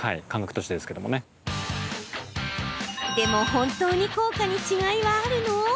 本当に効果に違いはあるの？